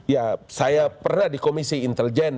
ya saya pernah di komisi intelijen